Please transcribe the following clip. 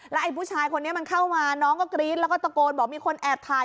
ไอ้ผู้ชายคนนี้มันเข้ามาน้องก็กรี๊ดแล้วก็ตะโกนบอกมีคนแอบถ่าย